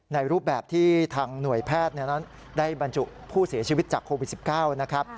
รูปแบบที่ทางหน่วยแพทย์นั้นได้บรรจุผู้เสียชีวิตจากโควิด๑๙นะครับ